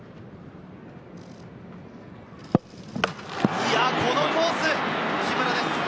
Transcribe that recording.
いや、このコース、木村です。